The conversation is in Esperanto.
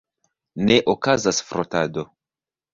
Ne okazas frotado!